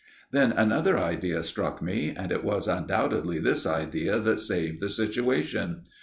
Then another idea struck me, and it was undoubtedly this idea that saved the situation.